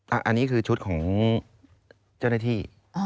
อันนี้คือชุดของเจ้าหน้าที่